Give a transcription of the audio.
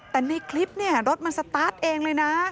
แต่ในคลิปเนี่ยรถมันสตาร์ทเองเลยนะ